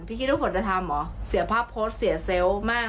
คิดว่าผลจะทำเหรอเสียภาพโพสต์เสียเซลล์มาก